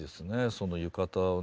その浴衣をね。